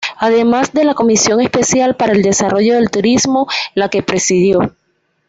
Además de la Comisión Especial para el Desarrollo del Turismo, la que presidió.